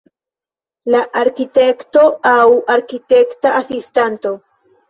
La arkitekto, aŭ arkitekta asistanto.